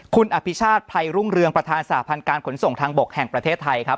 คุณอภิชาติภัยรุ่งเรืองประธานสาพันธ์การขนส่งทางบกแห่งประเทศไทยครับ